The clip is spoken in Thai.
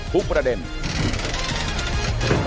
สวัสดีค่ะ